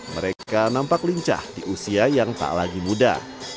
mereka nampak lincah di usia yang tak lagi muda